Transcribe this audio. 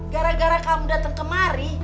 gara gara kamu datang kemari